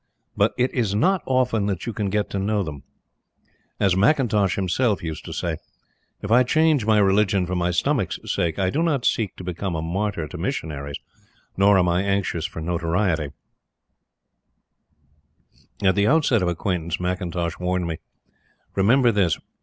But it is not often that you can get to know them. As McIntosh himself used to say: "If I change my religion for my stomach's sake, I do not seek to become a martyr to missionaries, nor am I anxious for notoriety." At the outset of acquaintance McIntosh warned me. "Remember this.